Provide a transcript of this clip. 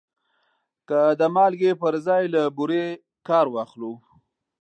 که د مالګې پر ځای له بورې کار واخلو.